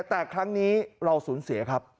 แต่ครั้งนี้เราสูญเสียครับ